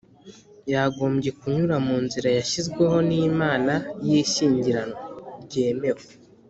yagombye kunyura mu nzira yashyizweho n Imana y ishyingiranwa ryemewe